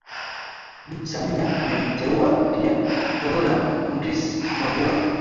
Bi Samia amemteua pia Togolan Edrisss Mavura